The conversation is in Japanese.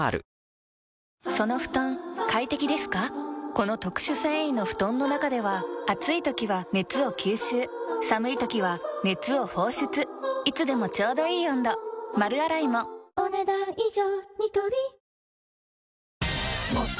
この特殊繊維の布団の中では暑い時は熱を吸収寒い時は熱を放出いつでもちょうどいい温度丸洗いもお、ねだん以上。